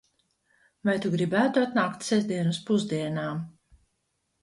Vai tu gribētu atnākt sestdien uz pusdienām?